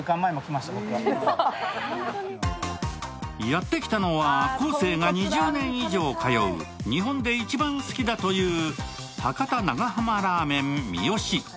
やってきたのは昴生が２０年以上通う日本で一番好きだという博多長浜らーめんみよし。